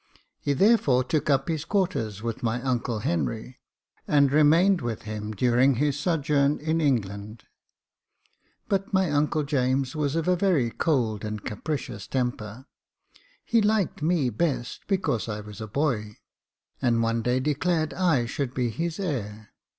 He therefore took up his quarters with my uncle Henry, and remained with him during his sojourn in jj)^ Jacob Faithful England 5 but my uncle James was of a very cold and capricious temper. He liked me best because I was a boy, and one day declared I should be his heir.